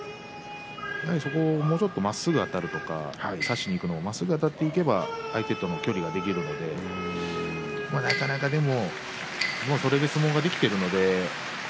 そこを少しまっすぐあたるとか差しにいくのをまっすぐあたっていけば相手との距離ができるのででもなかなかそれで相撲ができているので。